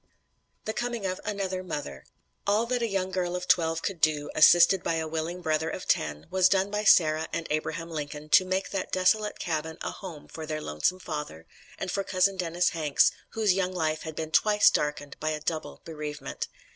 THE COMING OF ANOTHER MOTHER All that a young girl of twelve could do, assisted by a willing brother of ten, was done by Sarah and Abraham Lincoln to make that desolate cabin a home for their lonesome father, and for cousin Dennis Hanks, whose young life had been twice darkened by a double bereavement.